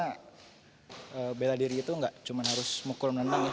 saya sudah pernah karena beladiri itu tidak hanya harus mengukur dan menendang